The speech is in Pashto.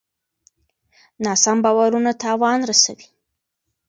ناسم باورونه تاوان رسوي.